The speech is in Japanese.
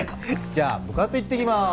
じゃあ部活行ってきます。